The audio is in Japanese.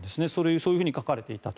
そういうふうに書かれていたと。